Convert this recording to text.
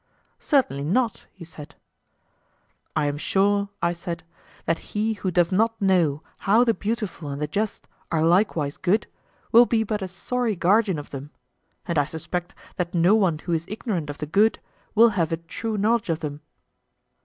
Certainly not, he said. I am sure, I said, that he who does not know how the beautiful and the just are likewise good will be but a sorry guardian of them; and I suspect that no one who is ignorant of the good will have a true knowledge of them.